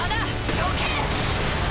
どけ！